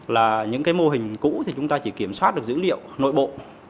là những cái mô hình cũ thì chúng ta chỉ kiểm soát được dữ liệu nội bộ